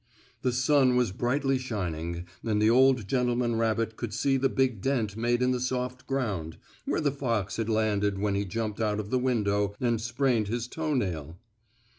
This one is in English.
The sun was brightly shining and the old gentleman rabbit could see the big dent made in the soft ground, where the fox had landed when he jumped out of the window and sprained his toenail.